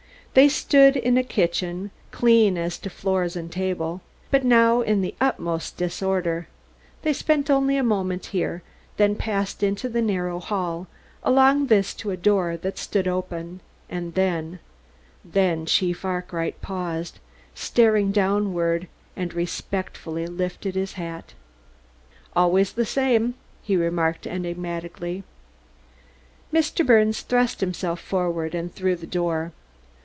They stood in a kitchen, clean as to floors and tables, but now in the utmost disorder. They spent only a moment here, then passed into the narrow hall, along this to a door that stood open, and then then Chief Arkwright paused, staring downward, and respectfully lifted his hat. "Always the same," he remarked enigmatically. Mr. Birnes thrust himself forward and through the door.